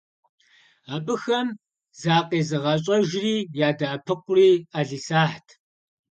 Абыхэм закъезыгъэщӏэжри ядэӏэпыкъури ӏэлисахьт.